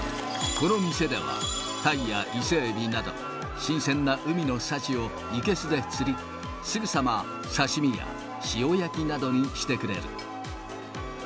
この店では、タイや伊勢エビなど、新鮮な海の幸を生けすで釣り、すぐさま刺身や塩焼きなどにしてくれる。